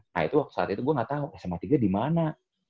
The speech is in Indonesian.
nah itu saat itu gue gak tau sma tiga dimana